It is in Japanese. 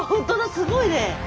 すごいね。